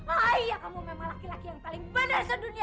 ah iya kamu memang laki laki yang paling benar di seluruh dunia